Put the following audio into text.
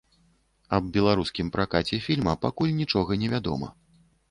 Аб беларускім пракаце фільма пакуль нічога не вядома.